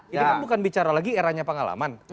ya kan bukan bicara lagi eranya pengalaman